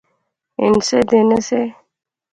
ہن سے دینے سے